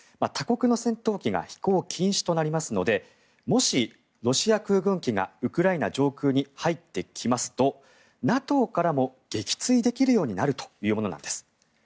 他国の戦闘機が飛行禁止となりますのでもし、ロシア空軍機がウクライナ上空に入ってきますとＮＡＴＯからも撃墜できるようになるというものなんです。